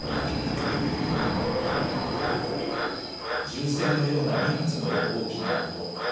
銃声のような２発の大きな音。